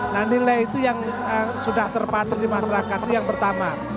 nah nilai itu yang sudah terpatri di masyarakat itu yang pertama